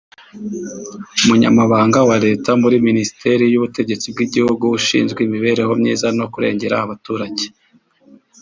Umunyamabanga wa Leta muri Minisiteri y’Ubutegetsi bw’Igihugu ushinzwe imibereho myiza no kurengera abaturage